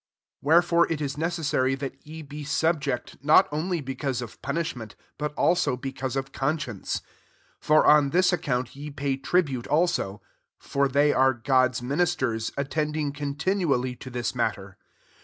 5 Wherefore it is necessary that ye be subject, not only be cause of punishment, but s^ao because of conscience. 6 For on this account ye pay tribute also: for they are Grod's minis ters, attending continually to this matter.